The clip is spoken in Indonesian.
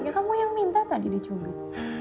kamu yang minta tadi dicurut